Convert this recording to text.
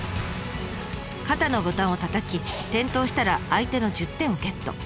肩のボタンをたたき点灯したら相手の１０点をゲット。